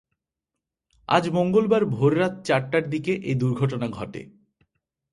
আজ মঙ্গলবার ভোররাত চারটার দিকে এ দুর্ঘটনা ঘটে।